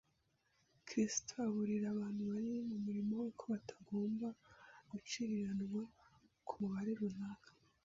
Kristo aburira abantu bari mu murimo we ko batagomba guciriranwa ku mubare runaka